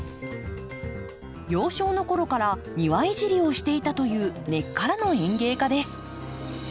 幼少の頃から庭いじりをしていたという根っからの園芸家です。